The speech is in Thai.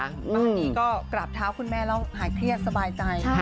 บ้านนี้ก็กราบเท้าคุณแม่แล้วหายเครียดสบายใจ